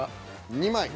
２枚。